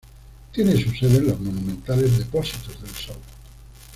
Tiene su sede en los monumentales Depósitos del Sol.